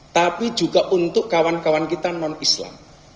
tapi juga untuk kawan kawan kita non islam